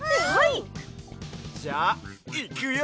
じゃあいくよ！